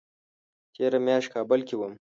تېره میاشت کابل کې وم